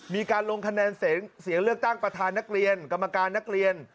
มีการลงคะแนนเสียงเลือกตั้งประธานนักเรียนกรรมการนักเรียน